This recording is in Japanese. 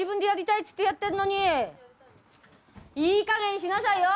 いいかげんにしなさいよ！